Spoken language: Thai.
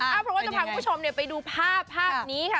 เพราะว่าจะพาคุณผู้ชมไปดูภาพภาพนี้ค่ะ